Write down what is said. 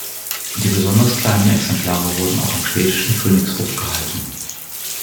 Die besonders kleinen Exemplare wurden auch am schwedischen Königshof gehalten.